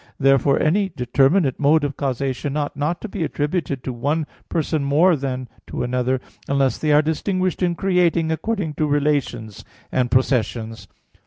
Therefore any determinate mode of causation ought not to be attributed to one Person more than to another, unless they are distinguished in creating according to relations and processions.